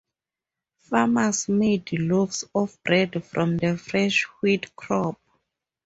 Farmers made loaves of bread from the fresh wheat crop.